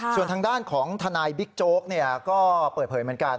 ส่วนทางด้านของทนายบิ๊กโจ๊กก็เปิดเผยเหมือนกัน